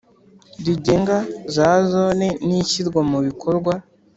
rigenga za Zone n ishyirwa mu bikorwa